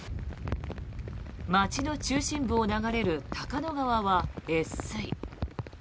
街の中心部を流れる高野川は越水。